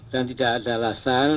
dan tidak ada alasan